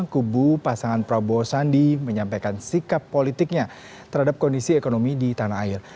kubu pasangan prabowo sandi menyampaikan sikap politiknya terhadap kondisi ekonomi di tanah air